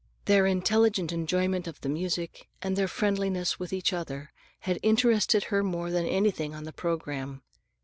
Their intelligent enjoyment of the music, and their friendliness with each other, had interested her more than anything on the programme.